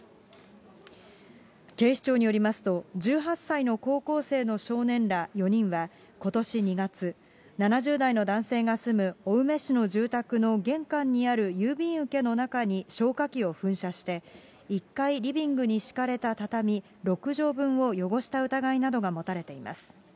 警視庁によりますと、１８歳の高校生の少年ら４人は、ことし２月、７０代の男性が住む青梅市の住宅の玄関にある郵便受けの中に消火器を噴射して、１階リビングに敷かれた畳６畳分を汚した疑いなどが持たれています。